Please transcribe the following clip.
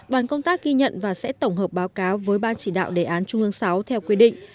đoàn công tác ghi nhận và sẽ tổng hợp báo cáo với ban chỉ đạo đề án trung ương sáu theo quy định